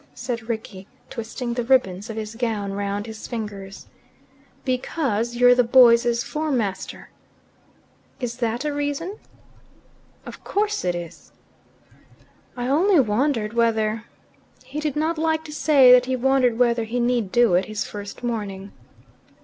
said Rickie, twisting the ribbons of his gown round his fingers. "Because you're the boy's form master." "Is that a reason?" "Of course it is." "I only wondered whether " He did not like to say that he wondered whether he need do it his first morning.